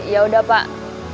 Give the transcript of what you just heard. ya udah pak